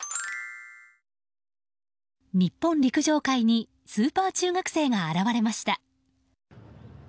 日本陸上界にスーパー中学生が現れました。